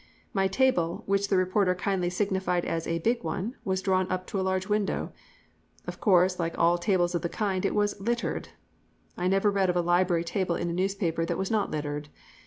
My table, which the reporter kindly signified as a "big one," was drawn up to a large window. Of course, like all tables of the kind, it was "littered." I never read of a library table in a newspaper that was not "littered."